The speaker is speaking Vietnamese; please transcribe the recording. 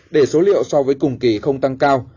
để số liệu so với cùng kỳ không tăng cao